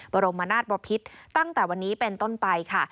บรมนาศบพิษตั้งแต่วันนี้เป็นต้นไปค่ะ